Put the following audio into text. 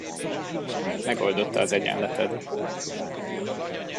Megoldotta az egyenleted.